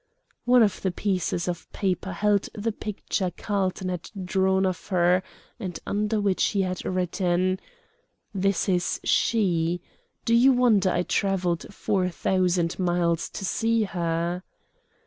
One of the pieces of paper held the picture Carlton had drawn of her, and under which he had written: "This is she. Do you wonder I travelled four thousand miles to see her?"